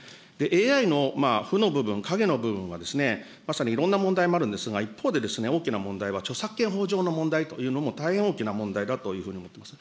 ＡＩの負の部分、影の部分はまさにいろんな問題もあるんですが、一方で大きな問題は著作権法上の問題というのも、大変大きな問題だというふうに思います。